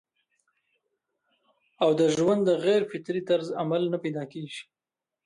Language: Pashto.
او د ژوند د غېر فطري طرز عمل نه پېدا کيږي